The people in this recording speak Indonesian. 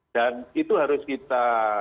dan itu harus kita